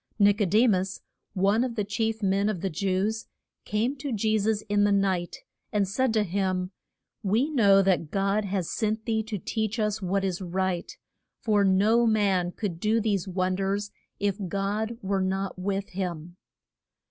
Nic o de mus, one of the chief men of the Jews, came to Je sus in the night, and said to him, We know that God has sent thee to teach us what is right, for no man could do these won ders if God were not with him.